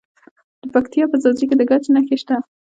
د پکتیا په ځاځي کې د ګچ نښې شته.